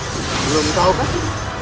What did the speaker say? belum tahu kan